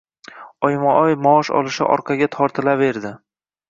Oyma-oy maosh olishi orqaga tortilaverdi